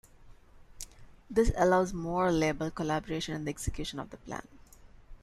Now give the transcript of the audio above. This allows more reliable collaboration in the execution of the plan.